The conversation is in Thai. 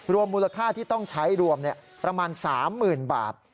รวมมูลค่าที่ต้องใช้รวมประมาณ๓หมื่นบาท